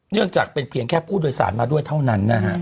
เนื่องจากเป็นเพียงแค่ผู้โดยสารมาด้วยเท่านั้นนะฮะ